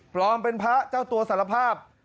เป็นพระเจ้าตัวสารภาพ